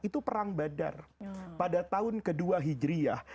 itu perang badar pada tahun ke dua hijriyah